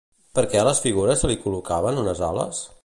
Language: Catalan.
Per què a les figures se li col·locaven unes ales?